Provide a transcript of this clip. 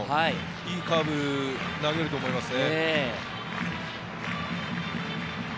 いいカーブを投げると思いますね。